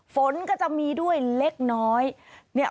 ฝนก็จะมีด้วยเล็กน้อยเนี่ย